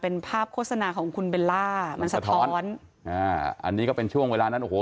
เป็นภาพโฆษณาของคุณเบลล่ามันสะท้อนอ่าอันนี้ก็เป็นช่วงเวลานั้นโอ้โห